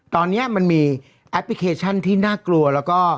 ตอนนี้มันมีแอปพลิเคชันที่น่ากลัวแล้วก็